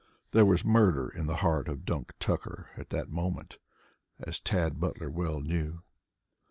There was murder in the heart of Dunk Tucker at that moment, as Tad Butler well knew.